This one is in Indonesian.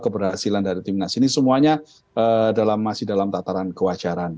keberhasilan dari timnas ini semuanya masih dalam tataran kewajaran